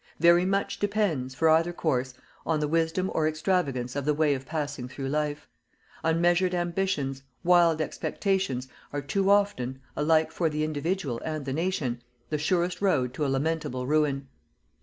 Very much depends, for either course, on the wisdom or extravagance of the way of passing through life. Unmeasured ambitions, wild expectations, are too often, alike for the individual and the nation, the surest road to a lamentable ruin.